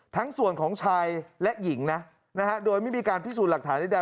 ทั้งส่วนของชายและหญิงนะนะฮะโดยไม่มีการพิสูจน์หลักฐานใด